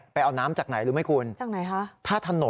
ไปเอาน้ำจากไหนรู้ไหมคุณจากไหนคะ